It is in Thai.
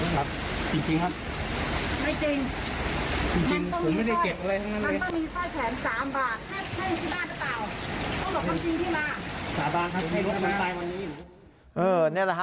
ต้องหลบความจริงที่มากบ้างครับ